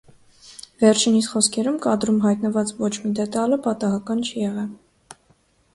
Վերջինիս խոսքերով՝ կադրում հայտնված ոչ մի դետալը պատահական չի եղել։